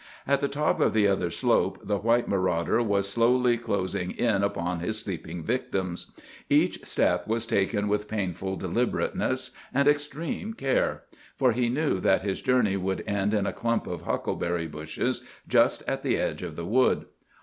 At the top of the other slope the white marauder was slowly closing in upon his sleeping victims. Each step was taken with painful deliberateness and extreme care, for he knew that his journey would end in a clump of huckleberry bushes just at the edge of the wood.